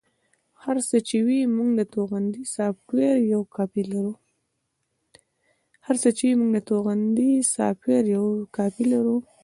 هر څه چې وي موږ د توغندي سافټویر یوه کاپي لرو